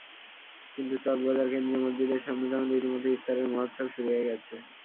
কিন্তু চকবাজার কেন্দ্রীয় মসজিদের সামনে তখন রীতিমতো ইফতারের মহোৎসব শুরু হয়ে গেছে।